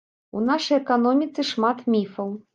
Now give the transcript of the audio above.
У нашай эканоміцы шмат міфаў.